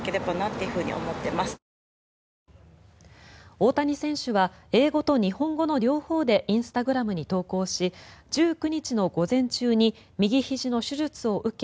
大谷選手は英語と日本語の両方でインスタグラムに投稿し１９日の午前中に右ひじの手術を受け